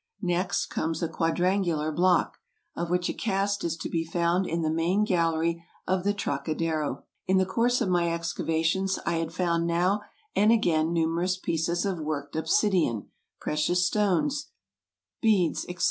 Next comes a quadrangular block, of which a cast is to be found in the main gallery of the Trocadero. In the course of my excavations I had found now and again numerous pieces of worked obsidian, precious stones, beads, etc.